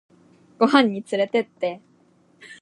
ご飯につれてって